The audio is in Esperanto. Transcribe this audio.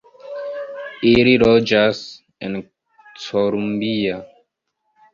Ili loĝas en Columbia.